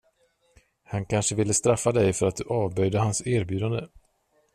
Han kanske ville straffa dig för att du avböjde hans erbjudande.